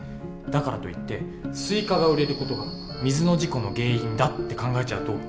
だからといって「スイカが売れることが水の事故の原因だ」って考えちゃうと。